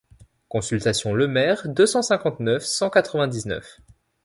Consultation Lemaire deux cent cinquante-neuf cent quatre-vingt-dix-neuf.